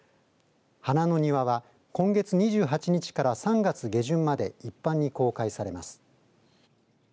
花の庭は今月２８日から３月下旬まで一般に公開されます。